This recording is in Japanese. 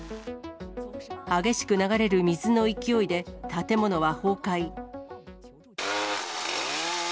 激しく流れる水の勢いで、建物は崩壊。